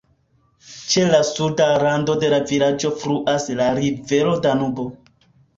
Ĉe la suda rando de la vilaĝo fluas la rivero Danubo.